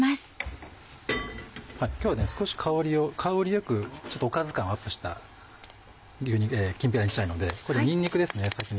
今日は少し香り良くおかず感をアップしたきんぴらにしたいのでここでにんにくですね先に。